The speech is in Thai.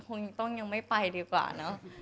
คงยังต้องยังไม่ไปดีกว่าเนอะ